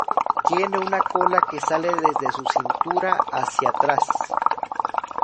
Tiene una cola que sale desde su cintura hacia atrás.